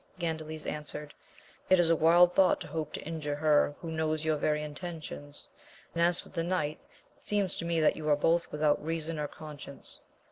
Gandales answered. It is a wild thought to hope to injure her who knows your very intentions, and as for the knight, it seems to me that you are both without reason or conscience.